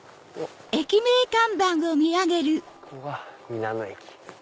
ここが皆野駅。